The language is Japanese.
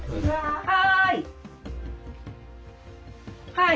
はい。